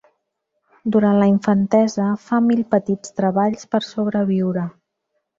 Durant la infantesa, fa mil petits treballs per sobreviure.